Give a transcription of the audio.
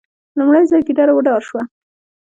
لومړی ځل ګیدړه وډار شوه.